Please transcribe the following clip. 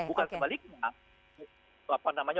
bukan sebaliknya apa namanya